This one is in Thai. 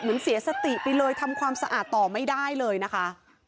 เหมือนเสียสติไปเลยทำความสะอาดต่อไม่ได้เลยนะคะ